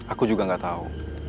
aku juga gak tahu